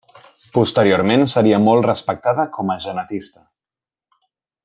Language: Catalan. Posteriorment seria molt respectada com a genetista.